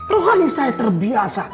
ruhani saya terbiasa